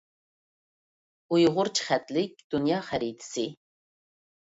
ئۇيغۇرچە خەتلىك دۇنيا خەرىتىسى.